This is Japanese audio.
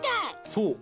そう！